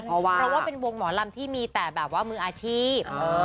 เพราะว่าเป็นวงหมอลำที่มีแต่แบบว่ามืออาชีพ